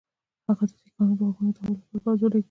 هغه د سیکهانو د غوږونو تاوولو لپاره پوځ ولېږه.